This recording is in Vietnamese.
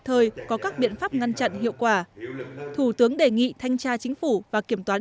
thời có các biện pháp ngăn chặn hiệu quả thủ tướng đề nghị thanh tra chính phủ và kiểm toán